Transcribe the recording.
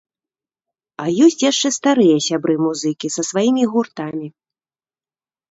А ёсць яшчэ старыя сябры-музыкі са сваімі гуртамі.